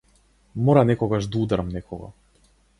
Мора некогаш да удрам некого.